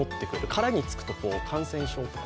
殻につくと感染症とか。